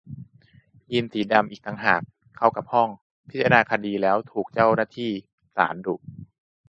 ยีนส์สีดำอีกต่างหากเข้าห้องพิจารณาคดีแล้วถูกเจ้าหน้าที่ศาลดุ